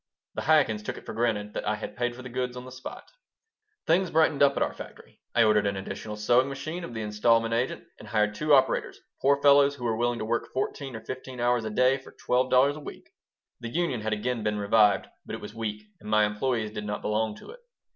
The Chaikins took it for granted that I had paid for the goods on the spot Things brightened up at our "factory." I ordered an additional sewing machine of the instalment agent and hired two operators poor fellows who were willing to work fourteen or fifteen hours a day for twelve dollars a week. (The union had again been revived, but it was weak, and my employees did not belong to it.)